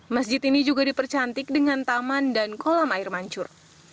masjid ini juga dipercantik dengan taman dan kolam air mancur